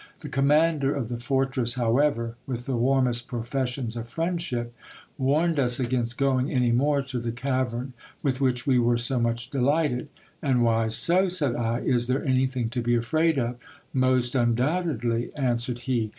The commander of the fortress, however, with the warmest profes sions of friendship, warned us against going any more to the cavern, with which we were so much delighted. And why so ? said I, is there anything to be afraid of? Most undoubtedly, answered he.